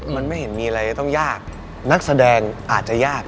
มันไม่เห็นมีอะไรจะต้องยากนักแสดงอาจจะยาก